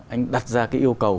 anh đặt ra cái yêu cầu